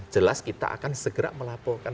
jelas kita akan segera melaporkan